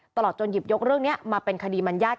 ตลอดจนหยิบยกเรื่องนี้มาเป็นคดีมัญญาติ